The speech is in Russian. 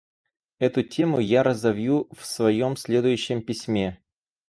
Эту тему я разовью в своем следующем письме.